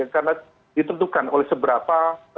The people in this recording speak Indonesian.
karena ditentukan oleh seberapa